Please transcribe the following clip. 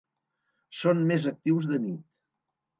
Són més actius de nit.